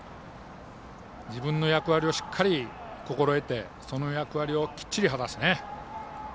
自分の役割をしっかり心得てその役割をきっちり果たす。